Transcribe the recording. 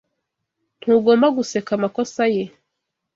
Ntugomba guseka amakosa ye.